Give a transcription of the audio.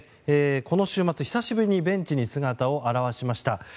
この週末、久しぶりにベンチに姿を現しました。